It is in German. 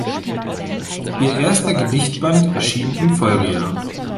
Ihr erster Gedichtband erschien im Folgejahr.